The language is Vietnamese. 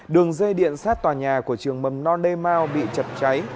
đường dây điện sát tòa nhà của trường mầm non demao bị chật cháy